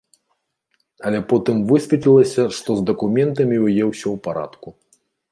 Але потым высветлілася, што з дакументамі ў яе ўсё ў парадку.